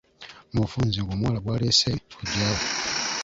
Mu bufunze ng'omuwala gw'aleese kojja we.